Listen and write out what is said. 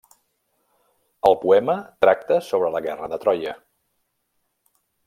El poema tracta sobre la guerra de Troia.